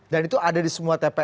dan itu ada di semua tps ya